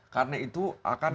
karena itu akan